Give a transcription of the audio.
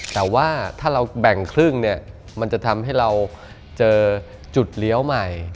แต่ว่าถ้าเราแบ่งครึ่งเนี่ยมันจะทำให้เราเจอจุดเลี้ยวใหม่